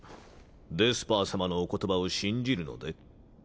デスパー様のお言葉を信じるので？